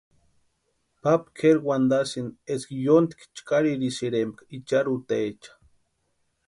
Papa kʼeri wantasïnti eska yóntki chkaririsïrempka icharhutaecha.